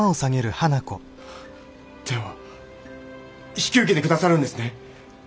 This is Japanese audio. では引き受けて下さるんですね！？